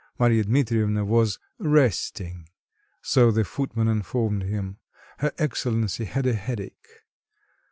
Marya Dmitrievna was "resting," so the footman informed him; her excellency had a headache.